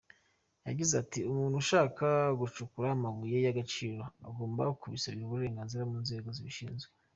Yagize ati,"Umuntu ushaka gucukura amabuye y’agaciro agomba kubisabira uburenganzira mu nzego zibishinzwe.